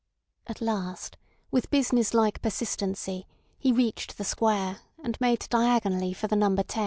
At last, with business like persistency, he reached the Square, and made diagonally for the number 10.